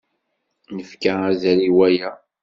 Nefka azal i waya.